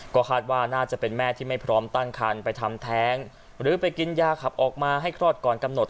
ก็คาดว่าน่าจะเป็นแม่ที่ไม่พร้อมตั้งคันไปทำแท้งหรือไปกินยาขับออกมาให้คลอดก่อนกำหนด